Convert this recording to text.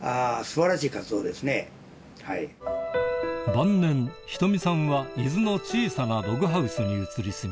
晩年ひとみさんは伊豆の小さなログハウスに移り住み